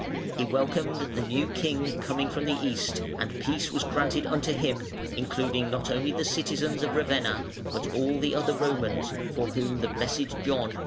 He welcomed the new King coming from the East, and peace was granted unto him, including not only the citizens of Ravenna, but all the other Romans, for whom the blessed John made entreaty".